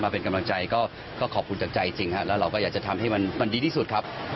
เป็นกำลังใจก็ขอบคุณจากใจจริงแล้วเราก็อยากจะทำให้มันดีที่สุดครับ